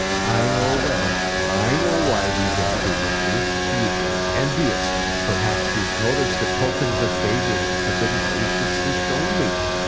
I know well, I know why he is angry with me. He is envious; perhaps he has noticed the tokens of favour which have been graciously shown me.